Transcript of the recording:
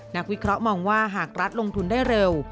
วิเคราะห์มองว่าหากรัฐลงทุนได้เร็ว